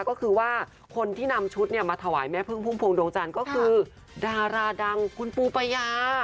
ก็คือว่าคนที่นำชุดมาถวายแม่พึ่งพุ่มพวงดวงจันทร์ก็คือดาราดังคุณปูปายา